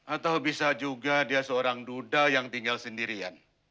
atau bisa juga dia seorang duda yang tinggal sendirian